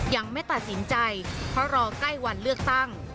ยังไม่ตัดสินใจเพราะรอใกล้วันเลือกตั้ง